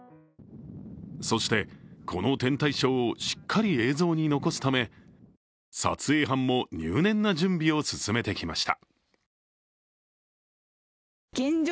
そして、この天体ショーをしっかり映像に残すため、撮影班も入念な準備を進めてきました。